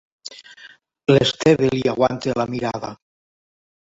L'Esteve li aguanta la mirada.